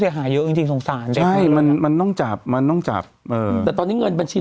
เสียหาเยอะจริงส่งสารมันมันต้องจับมันต้องจับแต่ตอนนี้เงินบัญชี